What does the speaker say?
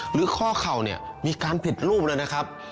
หรือข้อเข่ามีการผิดรูปนะครับ